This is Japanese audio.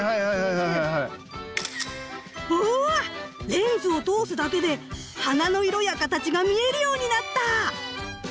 レンズを通すだけで花の色や形が見えるようになった！